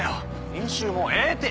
練習もうええて！